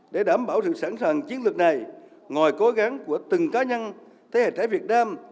để đảm bảo sự sẵn sàng chiến lược này ngoài cố gắng của từng cá nhân thế hệ trẻ việt nam